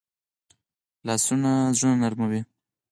لاسونه زړونه نرموي